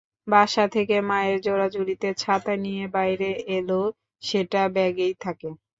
বাসা থেকে মায়ের জোরাজুরিতে ছাতা নিয়ে বাইরে এলেও সেটা ব্যাগেই থাকে।